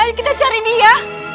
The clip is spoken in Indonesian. ayo kita cari dia